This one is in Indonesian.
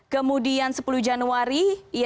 kemudian sepuluh januari